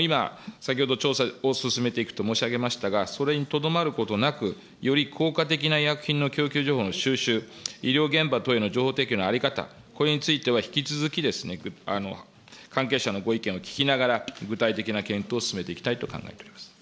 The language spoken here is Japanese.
今、先ほど、調査を進めていくと申し上げましたが、それにとどまることなく、より効果的な医薬品の供給情報の収集、医療現場等への情報提供の在り方、これについては引き続き関係者のご意見を聞きながら、具体的な検討を進めていきたいと考えております。